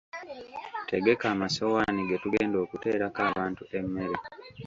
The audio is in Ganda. Tegeka amassowaani ge tugenda okuteerako abantu emmere.